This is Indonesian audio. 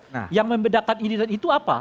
nah yang membedakan identitas itu apa